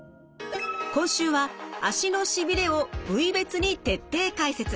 今週は足のしびれを部位別に徹底解説。